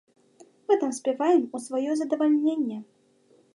Мы там спяваем у сваё задавальненне.